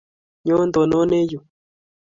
nyoo tononee yu